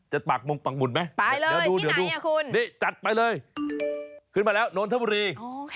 จะปากมุมปังบุ่นไหมเดี๋ยวดูนี่จัดไปเลยขึ้นมาแล้วโน้นทบุรี